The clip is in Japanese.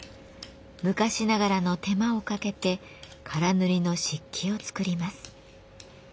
昔ながらの手間をかけて唐塗の漆器を作ります。